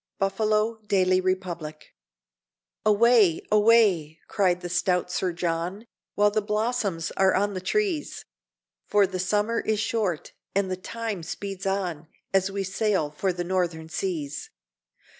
Buffalo Daily Republic. SONG OF THE NORTH. "Away, away!" cried the stout Sir John, "While the blossoms are on the trees, For the summer is short, and the times speeds on As we sail for the northern seas.